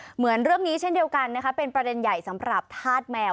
เหมือนเรื่องนี้เช่นเดียวกันนะคะเป็นประเด็นใหญ่สำหรับธาตุแมว